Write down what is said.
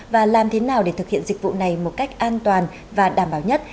và làm thế nào để thực hiện dịch vụ này một cách an toàn và đảm bảo nhất